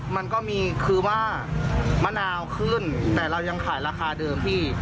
มันก็มีคือว่ามะนาวขึ้นแต่เรายังขายราคาเดิมพี่